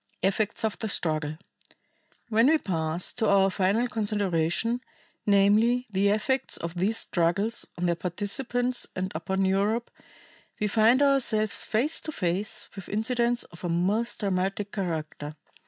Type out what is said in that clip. Effects of the Struggle. When we pass to our final consideration, namely, the effects of these struggles on their participants and upon Europe, we find ourselves face to face with incidents of a most dramatic character.